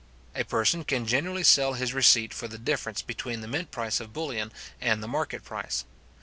A person can generally sell his receipt for the difference between the mint price of bullion and the market price.